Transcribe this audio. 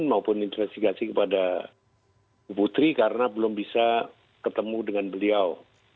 maupun investigasi kepada ibu putri karena belum bisa ketemu dengan beliau